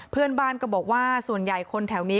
เพื่อนบ้านก็บอกว่าส่วนใหญ่คนแถวนี้